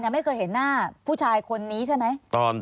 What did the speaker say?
ไม่เคยเห็นหน้าผู้ชายคนนี้ใช่ไหม